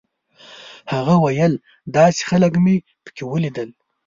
هغه ویل داسې خلک مې په کې ولیدل.